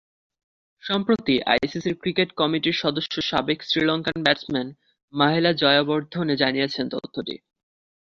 সম্প্রতি আইসিসির ক্রিকেট কমিটির সদস্য সাবেক শ্রীলঙ্কান ব্যাটসম্যান মাহেলা জয়াবর্ধনে জানিয়েছেন তথ্যটি।